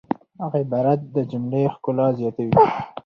عبارت د جملې ښکلا زیاتوي.